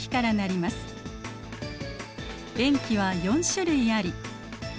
塩基は４種類ありＡ